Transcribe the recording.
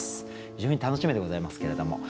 非常に楽しみでございますけれども。